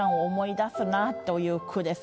という句です。